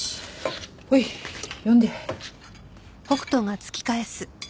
ほい読んで。